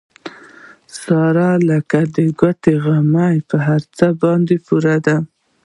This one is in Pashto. ساره لکه د ګوتې غمی په هر څه باندې پوره ده.